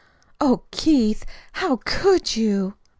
"Oh, Keith, how could you!"